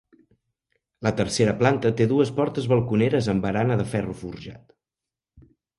La tercera planta té dues portes balconeres amb barana de ferro forjat.